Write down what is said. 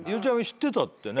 知ってたってね。